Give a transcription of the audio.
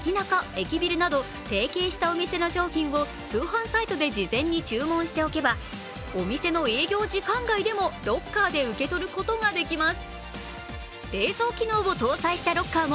・駅ビルなど、提携したお店の商品を通販サイトで事前に注文しておけばお店の営業時間外でもロッカーで受け取ることができます。